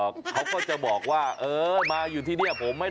เขาก็จะบอกว่าเออมาอยู่ที่นี่ผมไม่